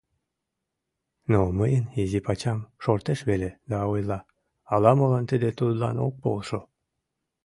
Но мыйын изи пачам шортеш веле да ойла: ала-молан тиде тудлан ок полшо...